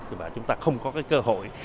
và chúng ta không có cơ hội